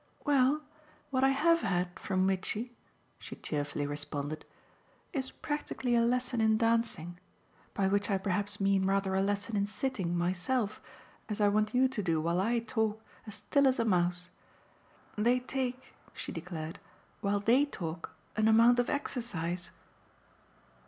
"Well, what I HAVE had from Mitchy," she cheerfully responded, "is practically a lesson in dancing: by which I perhaps mean rather a lesson in sitting, myself, as I want you to do while I talk, as still as a mouse. They take," she declared, "while THEY talk, an amount of exercise!"